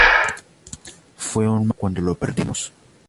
Fue un mal día cuando lo perdimos.